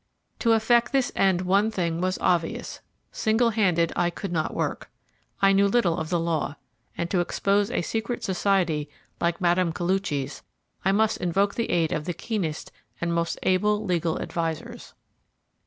To effect this end one thing was obvious: single handed I could not work. I knew little of the law, and to expose a secret society like Mme. Koluchy's, I must invoke the aid of the keenest and most able legal advisers.